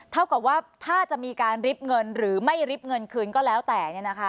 เท่ากับว่าถ้าจะมีการริบเงินหรือไม่ริบเงินคืนก็แล้วแต่